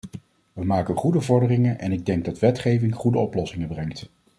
We maken goede vorderingen en ik denk dat wetgeving goede oplossingen brengt.